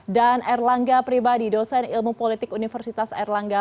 dan erlangga pribadi dosen ilmu politik universitas erlangga